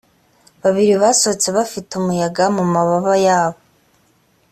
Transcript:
babiri basohotse bafite umuyaga mu mababa yabo